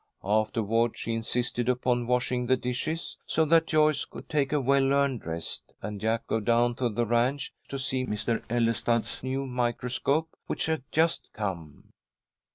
Afterward she insisted upon washing the dishes, so that Joyce could take a well earned rest, and Jack go down to the ranch to see Mr. Ellestad's new microscope, which had just come.